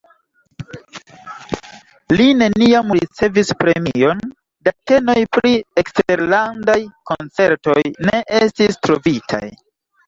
Li neniam ricevis premion, datenoj pri eksterlandaj koncertoj ne estis trovitaj.